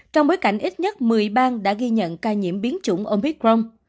trong bối cảnh ít nhất một mươi bang đã ghi nhận ca nhiễm biến chủng omicron